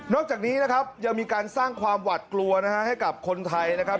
จากนี้นะครับยังมีการสร้างความหวัดกลัวนะฮะให้กับคนไทยนะครับ